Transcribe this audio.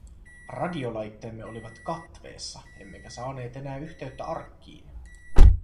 Radiolaitteemme olivat katveessa, emmekä saaneet enää yhteyttä arkkiin.